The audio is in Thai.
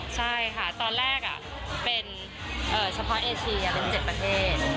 ใช่ค่ะตอนแรกเป็นเฉพาะเอเชียเป็น๗ประเทศ